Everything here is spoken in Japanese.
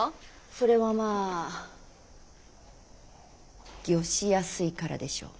それはまあ御しやすいからでしょ。